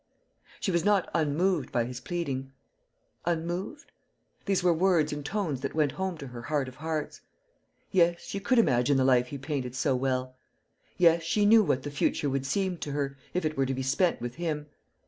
She was not unmoved by his pleading. Unmoved? These were words and tones that went home to her heart of hearts. Yes, she could imagine the life he painted so well. Yes, she knew what the future would seem to her, if it were to be spent with him.